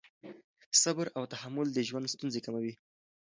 صبر او تحمل د ژوند ستونزې کموي.